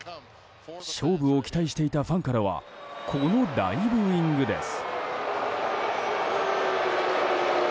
勝負を期待していたファンからはこの大ブーイングです。